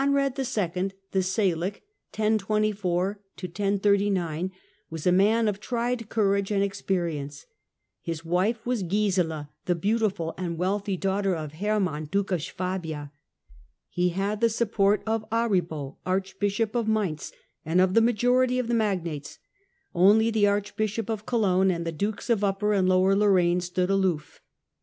(see Table I.). Conrad was a man of tried courage and experience; his wife was Gisela, the beautiful and wealthy daughter of Hermann Duke of Swabia. He had the support of Aribo Archbishop of Mainz, and of the majority of the magnates: only the Archbishop of Cologne and the Dukes of Upper and Lower Lorraine stood aloof.